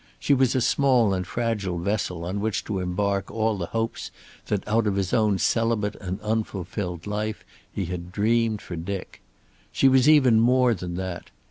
She was a small and fragile vessel on which to embark all the hopes that, out of his own celibate and unfulfilled life, he had dreamed for Dick. She was even more than that.